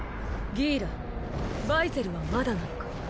ギーラバイゼルはまだなのか？